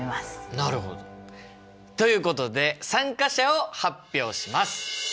なるほど。ということで参加者を発表します！